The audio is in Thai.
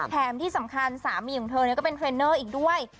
แถมที่สำคัญสามีของเธอก็เป็นเทรนเนอร์อีกด้วย